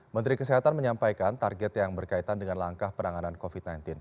menteri kesehatan menyampaikan target yang berkaitan dengan langkah penanganan covid sembilan belas